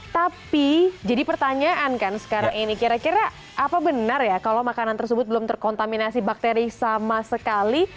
tapi jadi pertanyaan kan sekarang ini kira kira apa benar ya kalau makanan tersebut belum terkontaminasi bakteri sama sekali